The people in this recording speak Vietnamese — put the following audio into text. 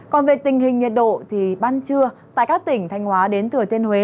còn về tình hình nhiệt độ thì ban trưa tại các tỉnh thanh hóa đến thừa thiên huế